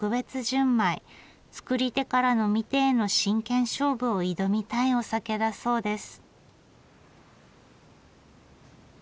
造り手から呑み手への真剣勝負を挑みたいお酒だそうです。